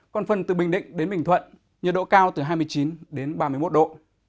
còn phần từ bình định đến bình thuận nhiệt độ cao từ hai mươi chín đến ba mươi một độ